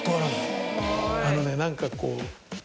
あのね何かこう。